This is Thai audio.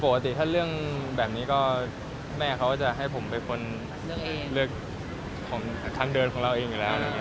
ปกติถ้าเรื่องแบบนี้ก็แม่เขาจะให้ผมเป็นคนเลือกทางเดินของเราเองอยู่แล้ว